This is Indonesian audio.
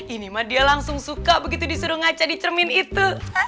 ini mah dia langsung suka begitu disuruh ngaca di cermin itu